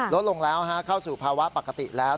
ลดลงแล้วเข้าสู่ภาวะปกติแล้ว